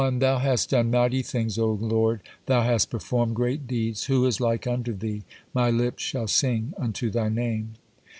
Thou hast done mighty things, O Lord, Thou has performed great deeds. Who is like unto Thee? My lips shall sing unto Thy name.